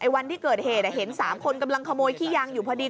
วันที่เกิดเหตุเห็น๓คนกำลังขโมยขี้ยางอยู่พอดี